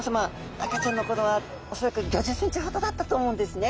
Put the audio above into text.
赤ちゃんの頃は恐らく５０ｃｍほどだったと思うんですね。